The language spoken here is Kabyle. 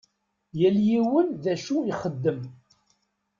Yal yiwen d acu ixeddem.